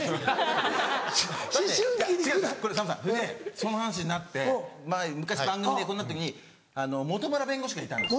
その話になって前昔番組でこうなった時に本村弁護士がいたんです。